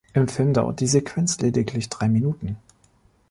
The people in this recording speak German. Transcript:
Im Film dauert die Sequenz lediglich drei Minuten.